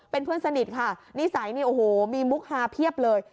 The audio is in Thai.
เป็นเพื่อนสนิทค่ะนิสัยนี่โอ้โหมีมุกฮาเพียบเลย